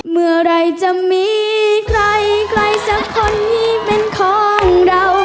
เมื่อไหร่จะมีใครไกลสักคนนี้เป็นของเรา